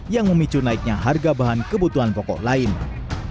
yang memicu naiknya harga bahan kebunnya dan perusahaan yang menyebabkan perusahaan ini